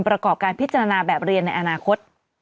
ประกอบการพิจารณาแบบเรียนในอนาคต